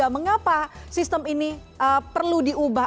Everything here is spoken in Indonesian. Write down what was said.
mengapa sistem ini perlu diubah